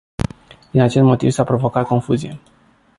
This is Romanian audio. Din acest motiv s-a provocat confuzie.